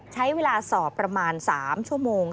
ใช้เวลาสอบประมาณ๓ชั่วโมง